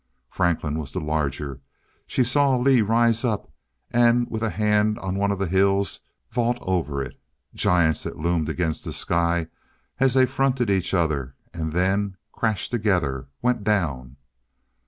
Franklin was the larger. She saw Lee rise up, and with a hand on one of the hills, vault over it. Giants that loomed against the sky as they fronted each other and then crashed together, went down.